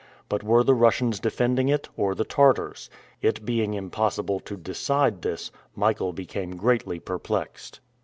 But were the Russians defending it or the Tartars? It being impossible to decide this, Michael became greatly perplexed.